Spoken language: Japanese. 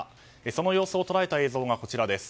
その様子を捉えた映像がこちらです。